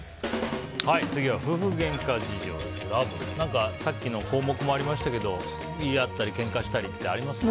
次は夫婦げんか事情ですがアブ、何かさっきの項目もありましたけど言い合ったりけんかしたりありますか？